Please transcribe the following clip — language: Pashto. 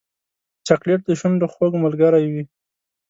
چاکلېټ د شونډو خوږ ملګری وي.